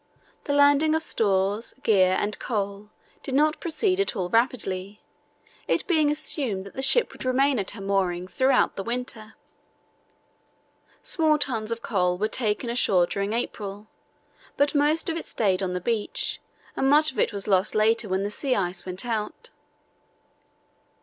The landing of stores, gear, and coal did not proceed at all rapidly, it being assumed that the ship would remain at her moorings throughout the winter. Some tons of coal were taken ashore during April, but most of it stayed on the beach, and much of it was lost later when the sea ice went out.